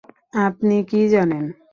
আপনি কি জানেন?